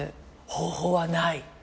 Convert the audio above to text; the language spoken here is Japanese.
方法はない。